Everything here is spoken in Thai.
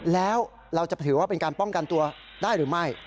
แล้วเราจะถือว่าเป็นการป้องกันตัวได้หรือไม่